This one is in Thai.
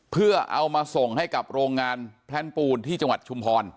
เพื่อเอามาส่งให้กับโรงงานแพลนปูนที่จังหวัดชุมพร